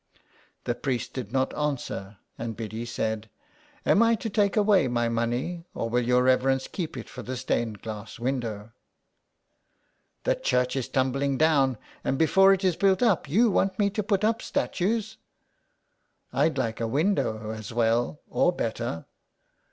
The priest did not answer, and Biddy said :—*' Am I to take away my money, or will your reverence keep it for the stained glass window." "The church is tumbling down, and before it is built up you want me to put up statues." " I'd like a window as well or better."